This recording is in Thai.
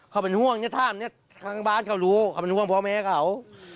เขาเป็นห่วงเนี่ยท่ามนี้ข้างบ้านเขารู้เขาเป็นห่วงพ่อแม่เขา